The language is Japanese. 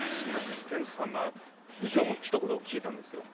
ケンチさんはひと言聞いたんですよ。